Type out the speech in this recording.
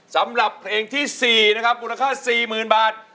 สำหรับเพลงที่๔นะครับมูลค่า๔๐๐๐บาท